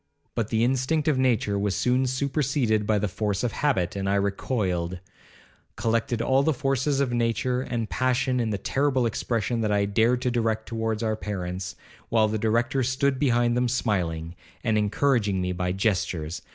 But the instinct of nature was soon superseded by the force of habit, and I recoiled, collected all the forces of nature and passion in the terrible expression that I dared to direct towards our parents, while the Director stood behind them smiling, and encouraging me by gestures.